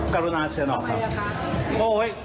กรุณาเชิญออกครับ